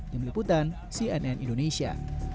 yang meliputan cnn indonesia